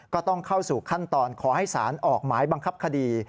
ก็ต้องเข้าสู่ขั้นตอนขอให้สารออกหมายบังคับคดี